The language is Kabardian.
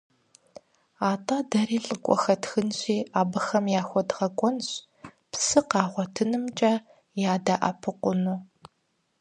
АтӀэ дэри лӀыкӀуэ хэтхынщи, абыхэм яхуэдгъэкӀуэнщ псы къагъуэтынымкӀэ ядэӀэпыкъуну.